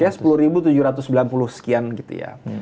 ya sepuluh tujuh ratus sembilan puluh sekian gitu ya